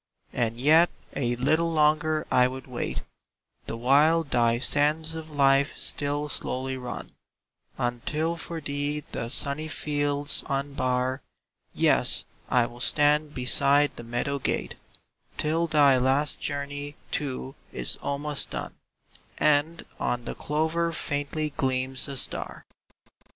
And yet a little longer I would wait, The while thy sands of life still slowly run, Until for thee the sunny fields unbar ; Yes, I will stand beside the meadow gate Till thy last journey, too, is almost done And on the clover faintly gleams a star.